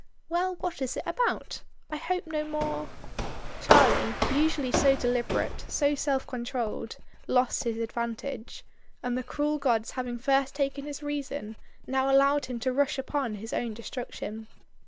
"Well! what is it about? I hope no more " Charlie, usually so deliberate, so self controlled, lost his advantage, and the cruel gods having first taken his reason, now allowed him to rush upon his own destruction.